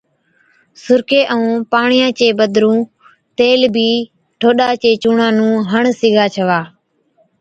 سُرڪي ائُون پاڻِيان چي بِدرُون تيل بِي ٺوڏا چي چُونڻان نُون هڻ سِگھا ڇَوا۔